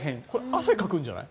汗かくんじゃない？